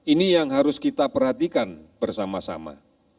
ini yang harus kita perhatikan bersama sama